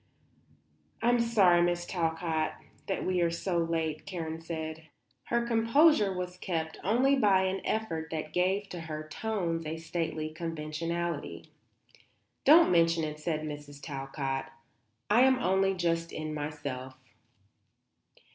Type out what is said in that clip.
"I am sorry, Mrs. Talcott, that we are so late," Karen said. Her composure was kept only by an effort that gave to her tones a stately conventionality. "Don't mention it," said Mrs. Talcott. "I'm only just in myself."